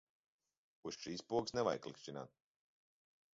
Uz šīs pogas nevajag klikšķināt.